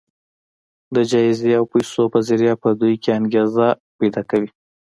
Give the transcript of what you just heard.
د جايزې او پيسو په ذريعه په دوی کې انګېزه پيدا کوي.